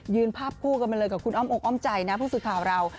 ยืนภาพคู่กันมาเลยกับออมออมใจนะเพราะสื่อข่าวเรา